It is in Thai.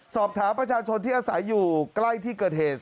สอบถามประชาชนที่อาศัยอยู่ใกล้ที่เกิดเหตุ